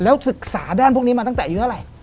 แล้วศึกษาด้านพวกนี้มาตั้งแต่อายุเท่าไหร่